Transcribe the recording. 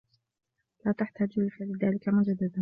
لا تَحتاجُ لِفِعلِ ذلِك مجدداً